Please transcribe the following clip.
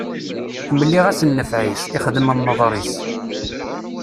Mliɣ-as nnfeɛ-is, ixdem nneḍṛ-is.